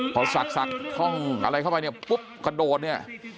พอศักดิ์ห้องอะไรเข้าไปเนี่ยปุ๊บกระโดดเนี่ย